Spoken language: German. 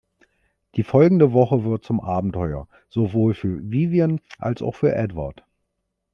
Die folgende Woche wird zum Abenteuer sowohl für Vivian als auch für Edward.